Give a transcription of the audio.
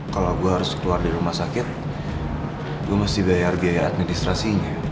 kalau gue harus keluar dari rumah sakit gue mesti bayar biaya administrasinya